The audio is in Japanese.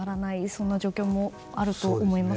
そんな状況もあると思います。